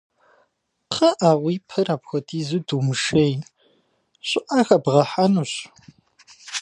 Кхъыӏэ, уи пэр апхуэдизу думышей, щӏыӏэ хэбгъэхьэнущ.